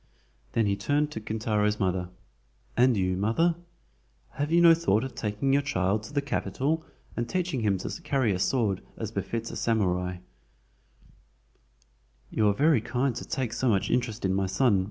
Then he turned to Kintaro's mother: "And you, mother, have you no thought of taking your child to the Capital, and of teaching him to carry a sword as befits a samurai (a Japanese knight)?" "You are very kind to take so much interest in my son."